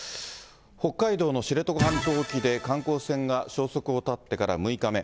北海道の知床半島沖で観光船が消息を絶ってから６日目。